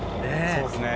そうですね。